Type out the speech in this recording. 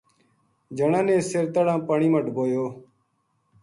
جنا نے سِر تہنا پانی ما ڈبویو